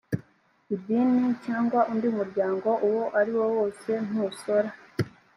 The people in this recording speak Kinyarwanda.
idini cyangwa undi muryango uwo ari wose ntusora